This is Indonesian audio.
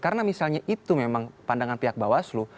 karena misalnya itu memang pandangan pihak bawas lo